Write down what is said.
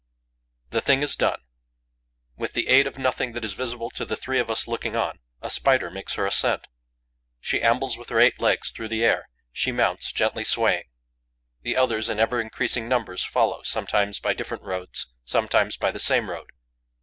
The thing is done: with the aid of nothing that is visible to the three of us looking on, a Spider makes her ascent. She ambles with her eight legs through the air; she mounts, gently swaying. The others, in ever increasing numbers, follow, sometimes by different roads, sometimes by the same road.